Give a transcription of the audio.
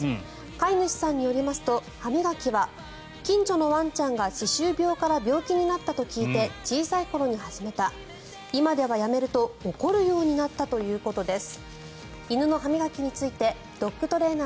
飼い主さんによりますと歯磨きは近所のワンちゃんが歯周病から病気になったと聞いて小さい頃に始めた今ではやめると怒るようになったといいます。